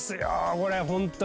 これホントに。